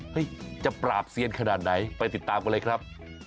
จะปราบเซียนขนาดไหนไปติดตามกันเลยครับ